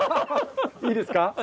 いいですか？